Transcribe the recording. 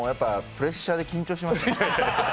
プレッシャーで緊張しましたね。